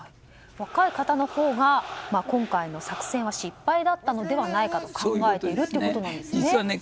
若い方のほうが、今回の作戦は失敗だったのではないかと考えているということなんですね。